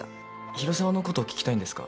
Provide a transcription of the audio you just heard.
広沢のこと聞きたいんですか？